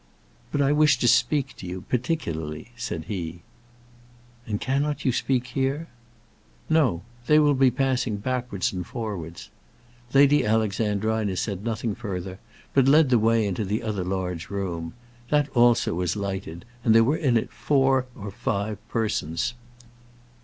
"But I wish to speak to you, particularly," said he. "And cannot you speak here?" "No. They will be passing backwards and forwards." Lady Alexandrina said nothing further, but led the way into the other large room. That also was lighted, and there were in it four or five persons.